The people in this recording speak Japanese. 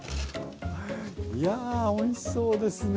いやおいしそうですね。